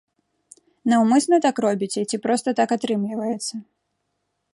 Наўмысна так робіце, ці проста так атрымліваецца?